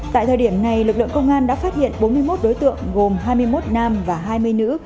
tại thời điểm này lực lượng công an đã phát hiện bốn mươi một đối tượng gồm hai mươi một nam và hai mươi nữ